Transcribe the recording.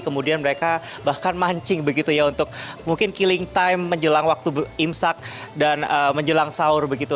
kemudian mereka bahkan mancing begitu ya untuk mungkin killing time menjelang waktu imsak dan menjelang sahur begitu